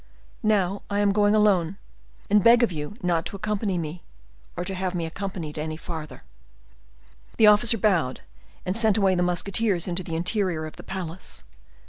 Now, I am going alone, and beg of you not to accompany me, or have me accompanied any further." The officer bowed and sent away the musketeers into the interior of the palace.